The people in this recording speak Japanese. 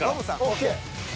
ＯＫ！